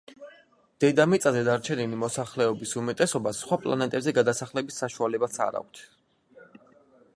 დედამიწაზე დარჩენილი მოსახლეობის უმეტესობას სხვა პლანეტებზე გადასახლების საშუალებაც არ აქვთ.